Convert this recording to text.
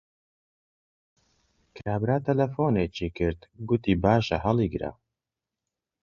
کابرا تەلەفۆنێکی کرد، گوتی باشە هەڵیگرە